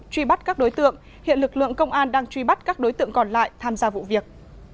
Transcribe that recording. truy bắt các đối tượng hiện lực lượng công an đang truy bắt các đối tượng còn lại tham gia vụ việc